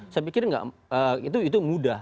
saya pikir itu mudah